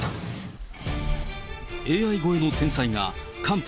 ＡＩ超えの天才がかんぷ